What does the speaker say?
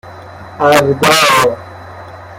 اَردا